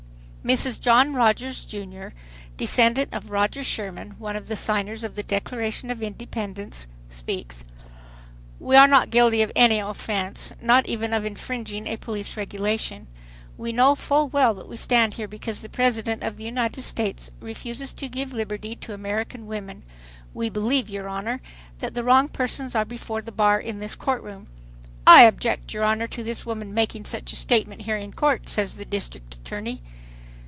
Mrs. John Rogers, Jr., descendant of Roger Sherman, one of the signers of the Declaration of Independence, speaks: "We are not guilty of any offence, not even of infringing a police regulation. We know full well that we stand here because the President of the United States refuses to give liberty to American women. We believe, your Honor, that the wrong persons are before the bar in this Court ...." "I object, your Honor, to this woman making such a statement here in Court," says the District Attorney.